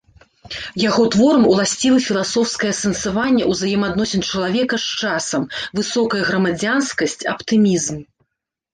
Яго творам уласцівы філасофскае асэнсаванне ўзаемаадносін чалавека з часам, высокая грамадзянскасць, аптымізм.